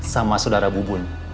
sama sudara bubun